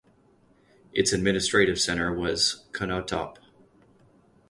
Its administrative centre was Konotop.